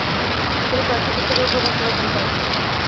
তিনি কয়েকটি পুস্তকের উপর ভাষ্য রচনা করেন।